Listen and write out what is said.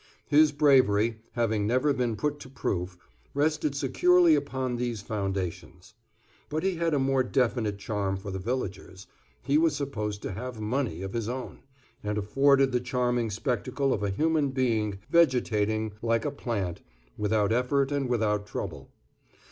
His bravery, having never been put to proof, rested securely upon these foundations. But he had a more definite charm for the villagers; he was supposed to have money of his own, and afforded the charming spectacle of a human being vegetating like a plant, without effort and without trouble.